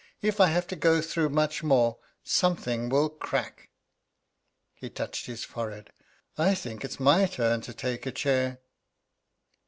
If I have to go through much more, something will crack!" He touched his forehead. "I think it's my turn to take a chair."